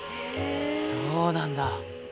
そうなんだ。